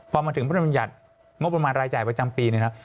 พอมาถึงพระธรรมยัติงบประมาณรายจ่ายประจำปีเนี่ยนะครับ